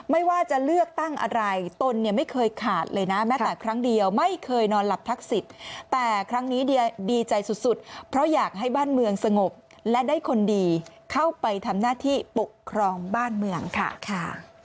ไม่ว่าจะเลือกตั้งอะไรตนเนี่ยไม่เคยขาดเลยนะแม้แต่ครั้งเดียวไม่เคยนอนหลับทักษิณแต่ครั้งนี้เดียดีใจสุดเพราะอยากให้บ้านเมืองสงบและได้คนดีเข้าไปทำหน้าที่ปกครองบ้านเมืองค่ะ